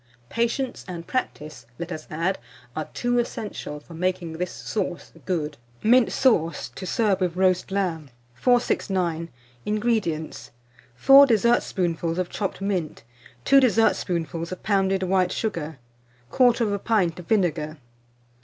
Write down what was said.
Patience and practice, let us add, are two essentials for making this sauce good. MINT SAUCE, to serve with Roast Lamb. 469. INGREDIENTS. 4 dessertspoonfuls of chopped mint, 2 dessertspoonfuls of pounded white sugar, 1/4 pint of vinegar.